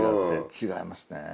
違いますねぇ。